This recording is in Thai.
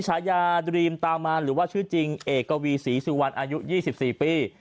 ฉายาดรีมตามมาหรือว่าชื่อจริงเอกวีศรีสุวรรค์อายุยี่สิบสี่ปี